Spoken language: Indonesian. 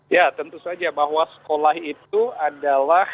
ya tentu saja bahwa sekolah itu adalah